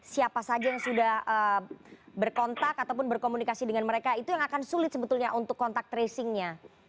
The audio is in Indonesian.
siapa saja yang sudah berkontak ataupun berkomunikasi dengan mereka itu yang akan sulit sebetulnya untuk kontak tracingnya